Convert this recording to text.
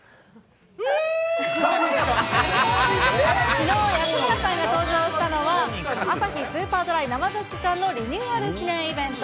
きのう安村さんが登場したのは、アサヒ・スーパードライ生ジョッキ缶のリニューアル記念イベント。